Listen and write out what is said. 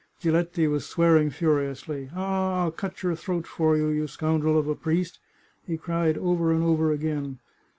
Giletti was swearing furiously. " Ah, I'll cut your throat for you, you scoundrel of a priest !" he cried over and over again.